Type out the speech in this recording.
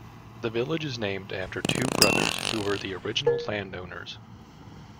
The village is named after two brothers who were the original landowners.